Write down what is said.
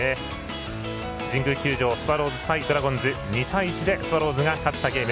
神宮球場スワローズ対ドラゴンズ２対１でスワローズが勝ったゲーム。